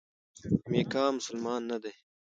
میکا مسلمان نه دی.